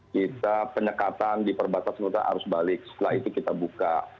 kita penyekatan di perbatasan arus balik setelah itu kita buka